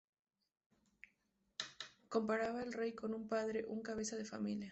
Comparaba al rey con un padre, un cabeza de familia.